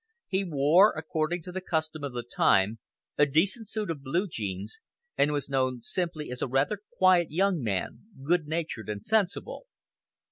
He wore, according to the custom of the time, a decent suit of blue jeans, and was known simply as a rather quiet young man, good natured and sensible.